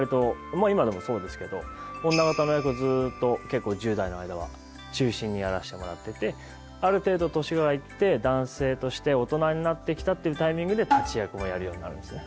まあ今でもそうですけど女方の役をずっと結構１０代の間は中心にやらせてもらっててある程度年が行って男性として大人になってきたっていうタイミングで立役もやるようになるんですね。